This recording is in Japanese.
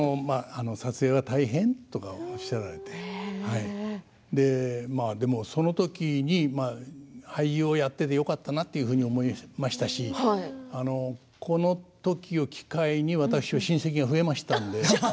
撮影は大変？とおっしゃられてでも、その時に俳優をやっていてよかったなというふうに思いましたしこの時を機会に私は親戚が増えましたので。